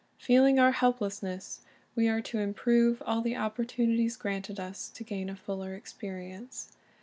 Feeling our helplessness, we are to improve all the oppor tunities granted us to gain a fuller experience.